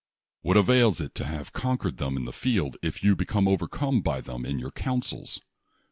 What avails it to have coiKiuered them in the field, if you be overcome by them in your councils?